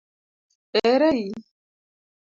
Ere i?